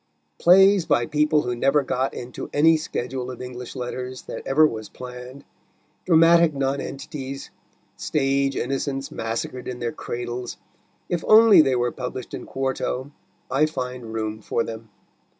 Plays by people who never got into any schedule of English letters that ever was planned, dramatic nonentities, stage innocents massacred in their cradles, if only they were published in quarto I find room for them.